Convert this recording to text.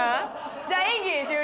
じゃ演技終了